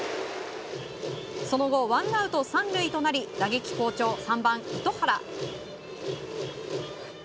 その後ワンアウト３塁となり打撃好調３番、糸原。